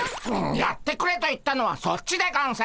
やってくれと言ったのはそっちでゴンス。